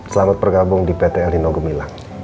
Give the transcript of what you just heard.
selamat bergabung di pt elinogemilang